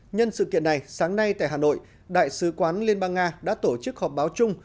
nhân sự kiện này sáng nay tại hà nội đại sứ quán liên bang nga đã tổ chức họp báo chung